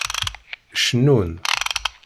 Cennun.